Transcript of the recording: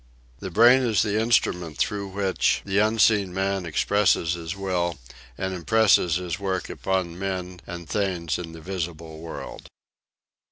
The brain is the instrument through which the unseen man expresses his will and impresses his work upon men and things in the visible world.